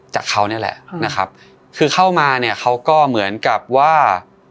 จากเขานี่แหละนะครับคือเข้ามาเนี่ยเขาก็เหมือนกับว่า